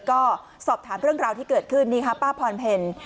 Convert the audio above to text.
ก็สอบถามเรื่องราวที่เกิดขึ้นนี่ค่ะป้าพรเพล